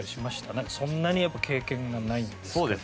そんなにやっぱ経験がないんですけど。